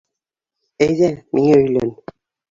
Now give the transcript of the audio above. Әйҙә, миңә өйлән.